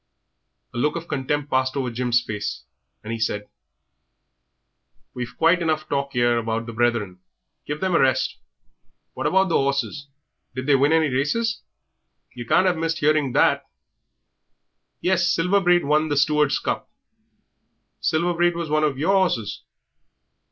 A look of contempt passed over Jim's face, and he said "We've quite enough talk 'ere about the Brethren; give them a rest. What about the 'orses? Did they win any races? Yer can't 'ave missed 'earing that." "Yes, Silver Braid won the Stewards' Cup." "Silver Braid was one of your horses?"